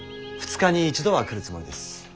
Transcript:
２日に一度は来るつもりです。